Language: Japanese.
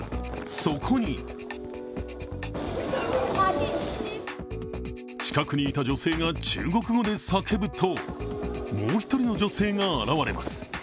そこに近くにいた女性が中国語で叫ぶともう１人の女性が現れます。